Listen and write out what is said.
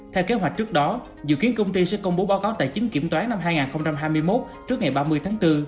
theo kế hoạch trước đó dự kiến công ty sẽ công bố báo cáo tài chính kiểm toán năm hai nghìn hai mươi một trước ngày ba mươi tháng bốn